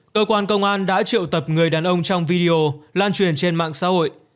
cơ quan công an đã triệu tập người đàn ông trong video lan truyền trên mạng xã hội